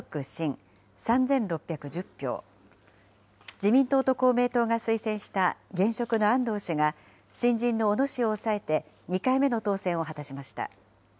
自民党と公明党が推薦した現職の安藤氏が、新人の小野氏を抑えて、２回目の当選を果たしました。